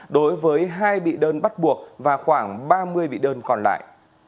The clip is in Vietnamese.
đối với hai bị đơn bắt buộc và khoảng ba mươi bị đơn còn lại